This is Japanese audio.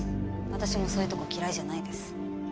私もそういうとこ嫌いじゃないです。